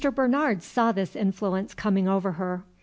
Bernard saw this influence coming over her.